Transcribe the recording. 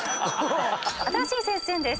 新しい先生です。